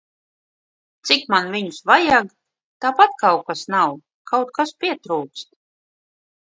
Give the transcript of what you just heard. Cik man viņus vajag? Tāpat kaut kas nav, kaut kas pietrūkst.